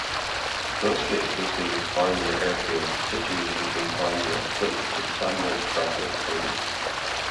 Closely associated with Farnborough Airfield, situated between Farnborough and Fleet, is Samuel Franklin Cody.